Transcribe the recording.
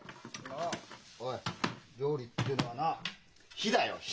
おい料理ってのはな火だよ火！